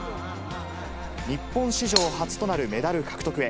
日本史上初となるメダル獲得へ。